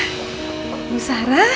eh bu sarah